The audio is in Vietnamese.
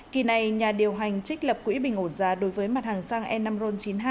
kỳ này nhà điều hành trích lập quỹ bình ổn giá đối với mặt hàng xăng e năm ron chín mươi hai